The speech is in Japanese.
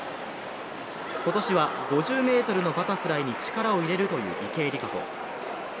今年は５０ｍのバタフライに力を入れるという池江璃花子。